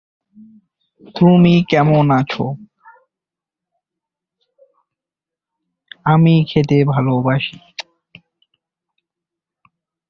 Class শুরু করার পরপরই, তাকে ছাত্রদের ডিন ডেকে পাঠান।